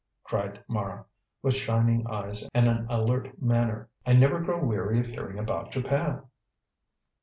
cried Mara, with shining eyes and an alert manner. "I never grow weary of hearing about Japan."